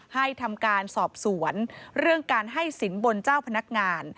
ให้ทำการสอบสวนเรื่องการให้สินบนเจ้าพนักงาน